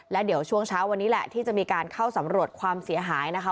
และเดี๋ยวช่วงเช้าวันนี้แหละที่จะมีการเข้าสำรวจความเสียหายนะคะ